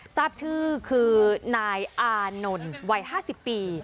ทราบชื่อคือณอหนนวัย๕๐ปี